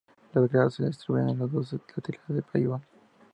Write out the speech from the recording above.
Las gradas se distribuyen en los dos laterales del pabellón.